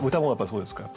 そうですね。